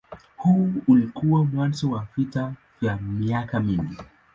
Huu ulikuwa mwanzo wa vita vya miaka mingi.